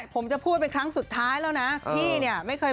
ผมจะพูดเป็นครั้งสุดท้ายแล้วนะพี่เนี่ยไม่เคย